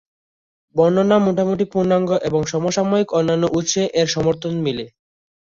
বর্ণনা মোটামুটি পূর্ণাঙ্গ এবং সমসাময়িক অন্যান্য উৎসে এর সমর্থন মিলে।